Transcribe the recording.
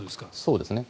そうですね。